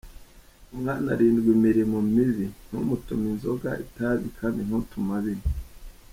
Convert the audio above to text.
Umwana arindwa imirimo mibi, ntumutume inzoga, itabi kandi ntutume abinywa .